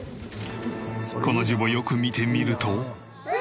この字をよく見てみると。